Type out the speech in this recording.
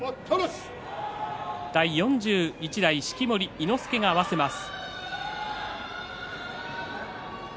第４１代式守伊之助が合わせます。